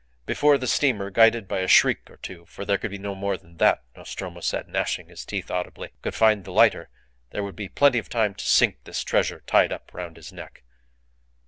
Before the steamer, guided by a shriek or two (for there could be no more than that, Nostromo said, gnashing his teeth audibly), could find the lighter there would be plenty of time to sink this treasure tied up round his neck.